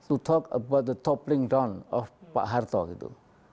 untuk berbicara tentang kematian pasar pahar gitu